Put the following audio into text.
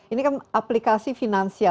ini kan aplikasi finansial